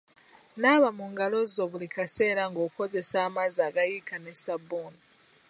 Naaba mu ngalo zo buli kaseera ng’okozesa amazzi agayiika n’essabbuuni.